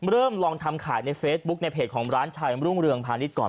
ลองทำขายในเฟซบุ๊กในเพจของร้านชายมรุ่งเรืองพาณิชย์ก่อน